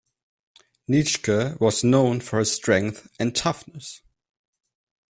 Nitschke was known for his strength and toughness.